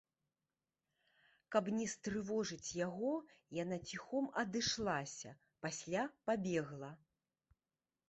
Каб не стрывожыць яго, яна ціхом адышлася, пасля пабегла.